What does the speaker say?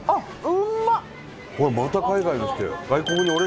うまっ！